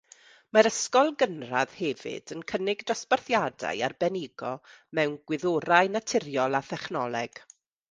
Mae'r ysgol gynradd hefyd yn cynnig dosbarthiadau arbenigo mewn Gwyddorau Naturiol a Thechnoleg.